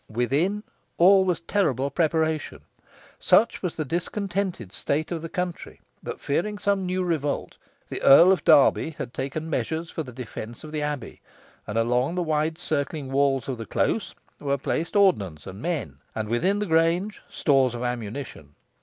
Within all was terrible preparation. Such was the discontented state of the country, that fearing some new revolt, the Earl of Derby had taken measures for the defence of the abbey, and along the wide circling walls of the close were placed ordnance and men, and within the grange stores of ammunition.